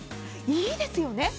いいですよね。